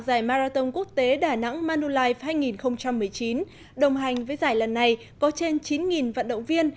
giải marathon quốc tế đà nẵng manulife hai nghìn một mươi chín đồng hành với giải lần này có trên chín vận động viên